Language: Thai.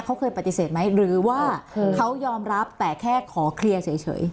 เขาเคยปฏิเสธไหมหรือว่าเขายอมรับแต่แค่ขอเคลียร์เฉย